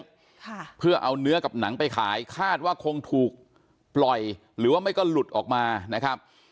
ค่ะเพื่อเอาเนื้อกับหนังไปขายคาดว่าคงถูกปล่อยหรือว่าไม่ก็หลุดออกมานะครับ